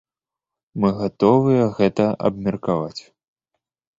Мы гатовыя гэта абмеркаваць.